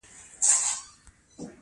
ایا زه باید کړکۍ خلاصه پریږدم؟